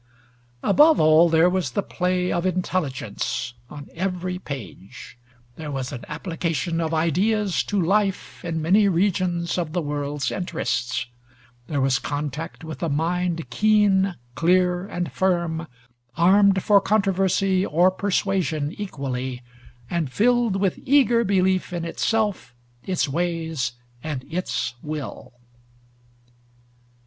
Above all, there was the play of intelligence on every page; there was an application of ideas to life in many regions of the world's interests; there was contact with a mind keen, clear, and firm, armed for controversy or persuasion equally, and filled with eager belief in itself, its ways, and its will.